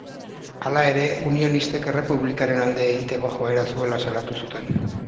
Hala ere, unionistek errepublikaren alde egiteko joera zuela salatu zuten.